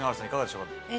いかがでしょうか？